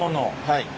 はい。